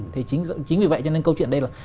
thì chính vì vậy cho nên câu chuyện đây là